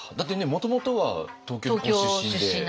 もともとは東京ご出身で。